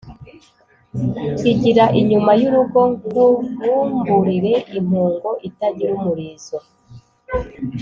Igira inyuma y'urugo nkuvumburire impongo itagira umurizo